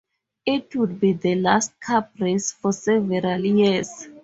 It would be last Cup race for several years.